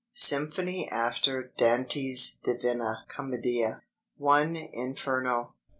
SYMPHONY AFTER DANTE'S "DIVINA COMMEDIA" 1. INFERNO 2.